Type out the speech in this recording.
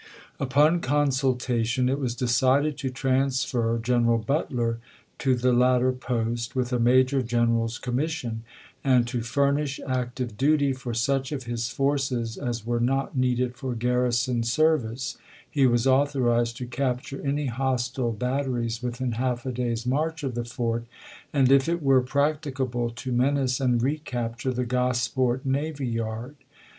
Upon consultation it was decided to transfer Gen eral Butler to the latter post, with a major general's commission ; and, to furnish active duty for such of his forces as were not needed for garrison ser vice, he was authorized to capture any hostile bat teries within half a day's march of the fort, and, if 308 THE ADVANCE 309 it were practicable, to menace and recapture the ch. xviir. Grosport navy yard.